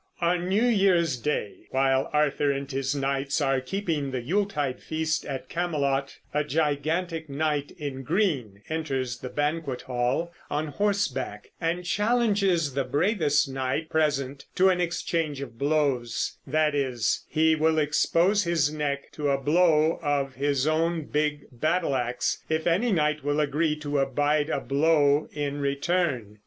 On New Year's day, while Arthur and his knights are keeping the Yuletide feast at Camelot, a gigantic knight in green enters the banquet hall on horseback and challenges the bravest knight present to an exchange of blows; that is, he will expose his neck to a blow of his own big battle ax, if any knight will agree to abide a blow in return.